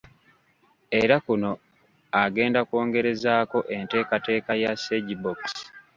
Era kuno agenda kwongerezaako enteekateeka ya Segibox.